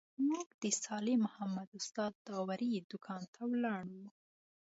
موږ د صالح محمد استاد داوري دوکان ته ولاړو.